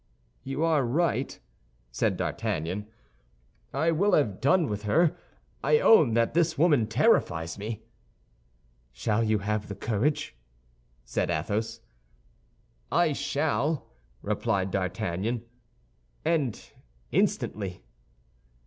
"You are right," said D'Artagnan; "I will have done with her. I own that this woman terrifies me." "Shall you have the courage?" said Athos. "I shall," replied D'Artagnan, "and instantly."